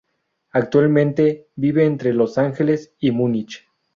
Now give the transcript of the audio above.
Actualmente vive entre Los Ángeles y Múnich.